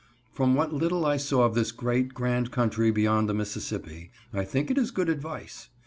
From what little I saw of this great, grand country beyond the Mississippi, I think it is good advice.